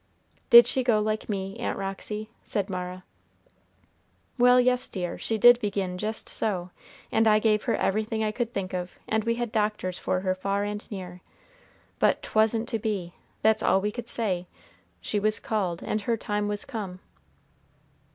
"Did she go like me, Aunt Roxy?" said Mara. "Well, yes, dear; she did begin jest so, and I gave her everything I could think of; and we had doctors for her far and near; but 'twasn't to be, that's all we could say; she was called, and her time was come."